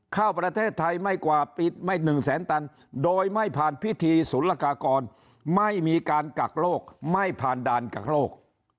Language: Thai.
เข้าประเทศไทยไม่กว่าปิดไม่หนึ่งแสนตันโดยไม่ผ่านพิธีศูนย์ละกากรไม่มีการกักโลกไม่ผ่านด่านกักโลก